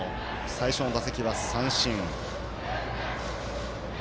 最初の打席は三振。